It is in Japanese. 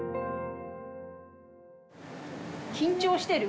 緊張してる？